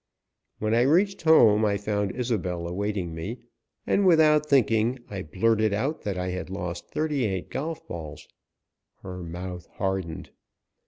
When I reached home I found Isobel awaiting me, and, without thinking, I blurted out that I had lost thirty eight golf balls. Her mouth hardened.